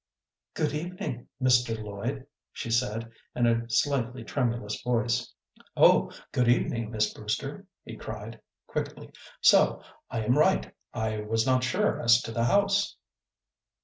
"Good evening, Mr. Lloyd," she said, in a slightly tremulous voice. "Oh, good evening, Miss Brewster," he cried, quickly. "So I am right! I was not sure as to the house."